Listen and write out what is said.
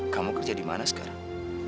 kamu kerja di mana sekarang